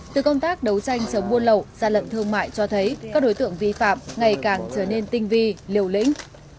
từ công tác đấu tranh chống buôn lậu gian lận thương mại cho thấy các đối tượng vi phạm ngày càng trở nên tinh vi liều lĩnh